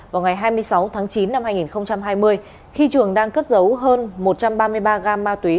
vào ngày hai mươi sáu tháng chín năm hai nghìn hai mươi khi trường đang cất giấu hơn một trăm ba mươi ba gam ma túy